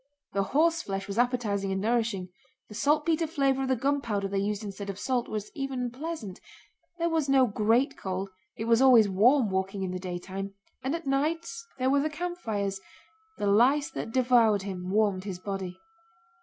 (The horseflesh was appetizing and nourishing, the saltpeter flavor of the gunpowder they used instead of salt was even pleasant; there was no great cold, it was always warm walking in the daytime, and at night there were the campfires; the lice that devoured him warmed his body.)